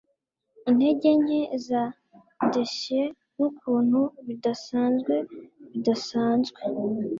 intege nke za daisesnukuntu bidasanzwe bidasanzwe